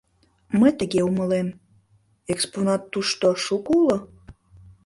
— Мый тыге умылем: экспонат тушто шуко уло?